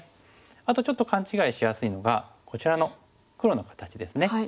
あとちょっと勘違いしやすいのがこちらの黒の形ですね。